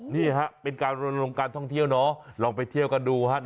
นี่ฮะเป็นการลงการท่องเที่ยวเนาะลองไปเที่ยวกันดูฮะ